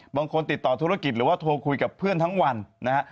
บางคนติดต่อธุรกิจหรือว่าโทรคุยกับเพื่อนทั้งวันนะฮะ